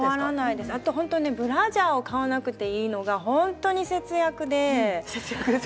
ブラジャーを買わなくていいのが本当に節約で。